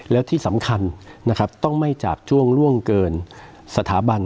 และที่สำคัญต้องไม่จากจวงร่วงเกินสถาบัน